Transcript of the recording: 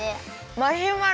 マシュマロ。